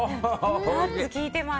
ナッツが効いています。